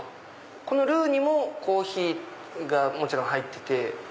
このルーにもコーヒーがもちろん入ってて。